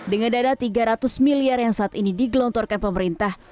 dengan dana tiga ratus miliar yang saat ini digelontorkan pemerintah